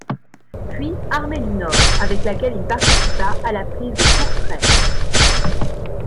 Puis armée du Nord avec laquelle il participa à la prise de Courtray.